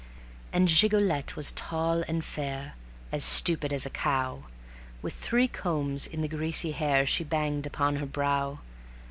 And Gigolette was tall and fair, as stupid as a cow, With three combs in the greasy hair she banged upon her brow.